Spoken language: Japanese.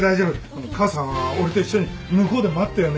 あの母さんは俺と一緒に向こうで待ってよう。